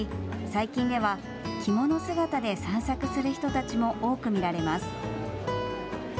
最近では着物姿で散策する人たちも多く見られます。